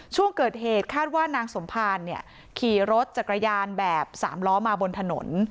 ช่วงเกิดเหตุคาดว่านางสมภารเนี่ยขี่รถจักรยานแบบสามล้อมาบนถนน